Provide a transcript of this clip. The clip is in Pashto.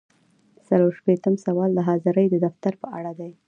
څلور شپیتم سوال د حاضرۍ د دفتر په اړه دی.